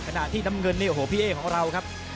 ขณะที่น้ำเงินนี่โอ้โหพี่เอ๊ของเราครับ